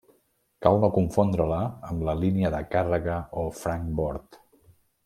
Cal no confondre-la amb la línia de càrrega o francbord.